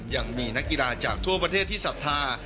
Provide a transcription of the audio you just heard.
ยังมีนักกีฬาจากทั่วประเทศที่ศรัทธา